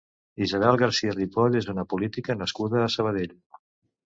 Isabel García Ripoll és una política nascuda a Sabadell.